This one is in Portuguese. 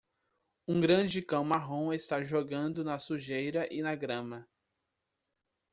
Um grande cão marrom está jogando na sujeira e na grama.